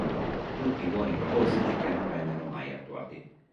Tutti buoni propositi che non vennero mai attuati.